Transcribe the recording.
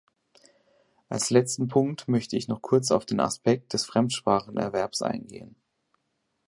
Als letzten Punkt möchte ich noch kurz auf den Aspekt des Fremdsprachenerwerbs eingehen.